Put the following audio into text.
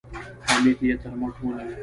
حميديې تر مټ ونيو.